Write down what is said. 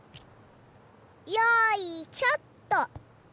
よいしょっと！